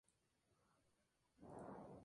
Se puede usar con o sin controlador de mano.